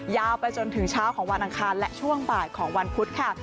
ยาวไปจนถึงเช้าของวันอังคารและช่วงบ่ายของวันพุธค่ะ